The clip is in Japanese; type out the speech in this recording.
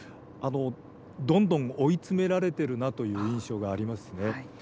どんどん追い詰められてるなという印象がありますね。